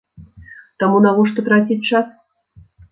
Таму навошта траціць час?